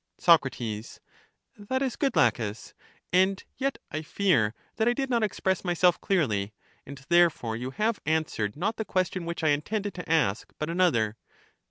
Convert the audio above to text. Soc, That is good, Laches; and yet I fear that I did not express myself clearly; and therefore you have answered not the question which I intended to ask, but another.